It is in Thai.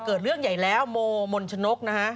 เกิดเรื่องใหญ่แล้วโมมนชนกนะฮะ